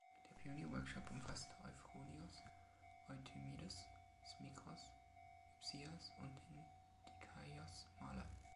Der Pionier-Workshop umfasste Euphronios, Euthymides, Smikros, Hypsias und den ‚Dikaios Maler‘.